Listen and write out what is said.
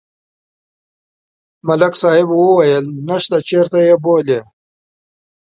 ملک صاحب ویل: نشته، چېرته یې بولي؟